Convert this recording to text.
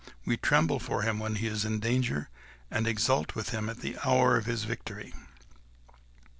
. we tremble for him when he is in danger, and exult with him in the hour of his victory."